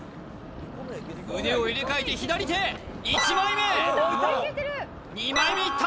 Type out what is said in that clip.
腕を入れ替えて左手１枚目２枚目いった！